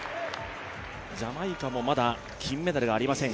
ジャマイカもまだ金メダルがありません